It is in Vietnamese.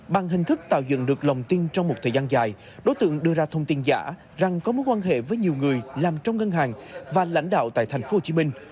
bằng hình thức tạo dựng được lòng tin trong một thời gian dài đối tượng đưa ra thông tin giả rằng có mối quan hệ với nhiều người làm trong ngân hàng và lãnh đạo tại thành phố hồ chí minh